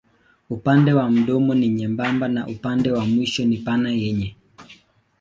Upande wa mdomo ni nyembamba na upande wa mwisho ni pana yenye.